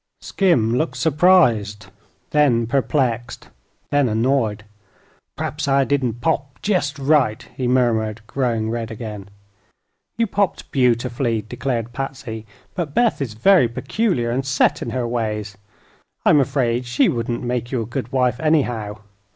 Skim looked surprised; then perplexed; then annoyed. "P'raps I didn't pop jest right," he murmured, growing red again. "You popped beautifully," declared Patsy. "But Beth is very peculiar, and set in her ways. I'm afraid she wouldn't make you a good wife, anyhow."